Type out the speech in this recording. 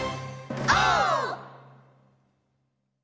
オー！